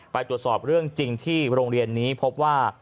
ไปตรวจสอบเรื่องจริงที่โรงเรียนนี้พบว่า